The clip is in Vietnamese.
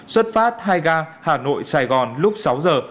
xuất phát hai ga hà nội sài gòn lúc sáu giờ